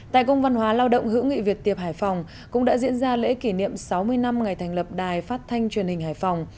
tại công văn hóa lao động hữu nghị việt tiệp hải phòng cũng đã diễn ra lễ kỷ niệm sáu mươi năm ngày thành lập đài phát thanh truyền hình hải phòng